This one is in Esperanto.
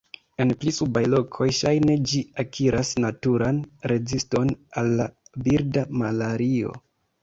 En pli subaj lokoj, ŝajne ĝi akiras naturan reziston al la birda malario.